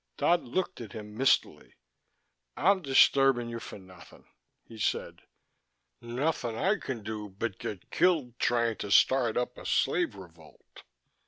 Dodd looked at him mistily. "I'm disturbing you for nothing," he said. "Nothing I can do but get killed trying to start up a slave revolt.